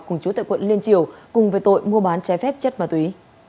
cùng chú tại quận liên triều cùng về tội mua bán trái phép chất ma túy